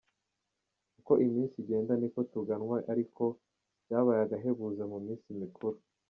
Uko iminsi igenda niko tuganwa ariko byabaye agahebuzo mu minsi mikuru.